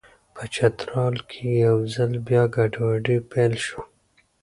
په چترال کې یو ځل بیا ګډوډي پیل شوه.